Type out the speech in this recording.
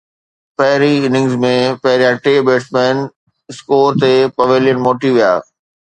پهرين اننگز ۾ پهريان ٽي بيٽسمين اسڪور تي پويلين موٽي ويا.